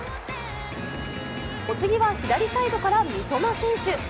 お次は左サイドから三笘選手。